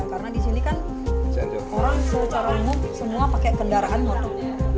karena di sini kan orang secara umum semua pakai kendaraan motor